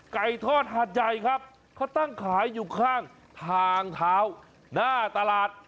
ไก่ทอดหาดใหญ่ครับเขาตั้งขายอยู่ข้างทางเท้าหน้าตลาด